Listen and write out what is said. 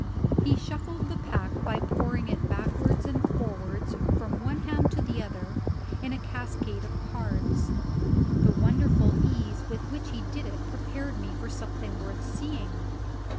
He shuffled the pack by pouring it backwards and forwards from one hand to the other, in a cascade of cards. The wonderful ease with which he did it prepared me for something worth seeing.